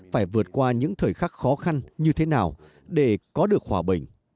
phải vượt qua những thời khắc khó khăn như thế nào để có được hòa bình